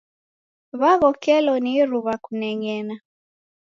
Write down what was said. W'aghokelo ni iruw'a kuneng'ena.